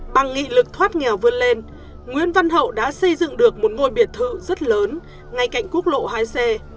bằng nghị lực thoát nghèo vươn lên nguyễn văn hậu đã xây dựng được một ngôi biệt thự rất lớn ngay cạnh quốc lộ hai c